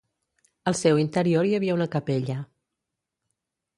Al seu interior hi havia una capella.